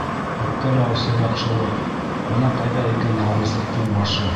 Күккә лә осор яҡшылыҡ, Бына ҡайҙа икән яуызлыҡтың башы.